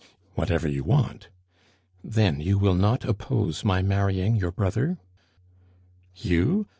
"Whatever you want." "Then you will not oppose my marrying your brother?" "You!